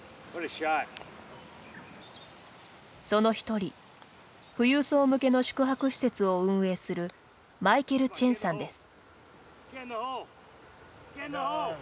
その１人、富裕層向けの宿泊施設を運営するマイケル・チェンさんです。